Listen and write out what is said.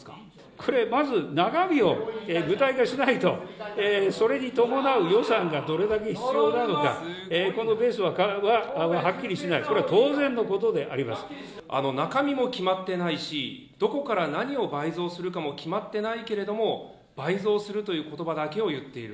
これ、まず中身を具体化しないと、それに伴う予算がどれだけ必要なのか、このベースははっきりしな中身も決まってないし、どこから何を倍増するかも決まってないけれども、倍増するということばだけを言っている。